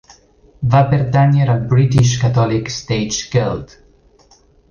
Va pertànyer al British Catholic Stage Guild.